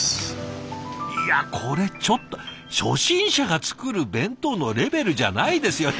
いやこれちょっと初心者が作る弁当のレベルじゃないですよ！